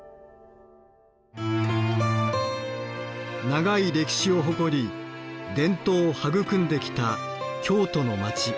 長い歴史を誇り伝統を育んできた京都の街。